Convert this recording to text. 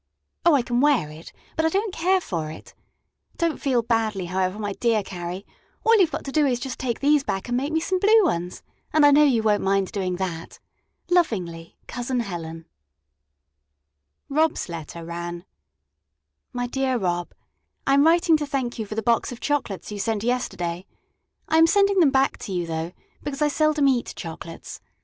Oh, I can wear it, but I don't care for it. Don't feel badly, however, my dear Carrie; all you've got to do is just to take these back and make me some blue ones, and I know you won't mind doing that. Lovingly COUSIN HELEN Rob's letter ran: My dear Rob: I am writing to thank you for the box of chocolates you sent yesterday. I am sending them back to you, though, because I seldom eat chocolates.